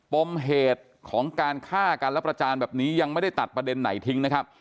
ปมเหตุของการฆ่ากันและประจานแบบนี้ยังไม่ได้ตัดประเด็นไหนทิ้งนะครับ